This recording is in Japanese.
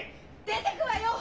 出てくわよ！